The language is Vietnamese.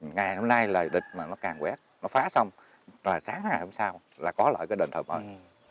ngày hôm nay là địch mà nó càng quét nó phá xong là sáng ngày hôm sau là có lợi cái đền thờ bắc